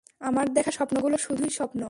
আমার দেখা স্বপ্নগুলো শুধুই স্বপ্ন!